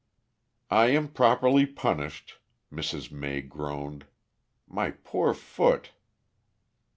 "I am properly punished," Mrs. May groaned. "My poor foot!"